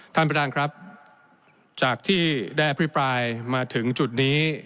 ท่านประธานครับจากที่ได้อภิปรายมาถึงจุดนี้